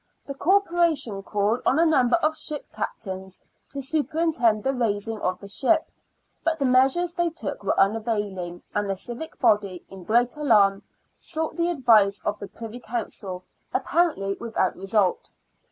The Corporation called on a number of ship captains to superintend the raising of the ship, but the measures they took were unavailing, and the civic body, in great alarm, sought the advice of the Privy Council, apparently without result.